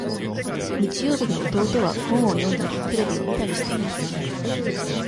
日曜日に弟は本を読んだりテレビを見たりしています。